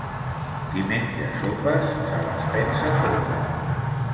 Qui menja sopes se les pensa totes